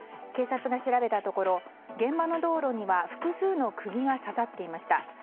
警察が調べたところ現場の道路には複数の釘が刺さっていました。